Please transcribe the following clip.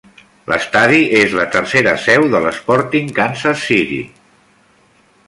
L'estadi és la tercera seu de l'Sporting Kansas City.